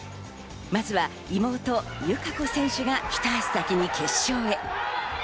まずは妹・友香子選手がひと足先に決勝へ。